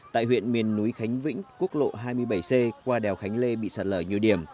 tại huyện miền núi khánh vĩnh quốc lộ hai mươi bảy c qua đèo khánh lê bị sạt lở nhiều điểm